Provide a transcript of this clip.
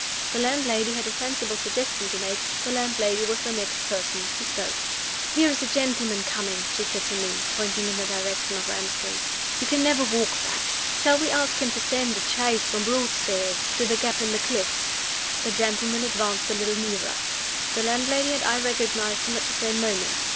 The landlady had a sensible suggestion to make the landlady was the next person who spoke. "Here is a gentleman coming," she said to me, pointing in the direction of Ramsgate. "You can never walk back. Shall we ask him to send a chaise from Broadstairs to the gap in the cliff?" The gentleman advanced a little nearer. The landlady and I recognized him at the same moment.